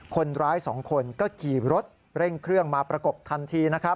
คนร้าย๒คนก็ขี่รถเร่งเครื่องมาประกบทันทีนะครับ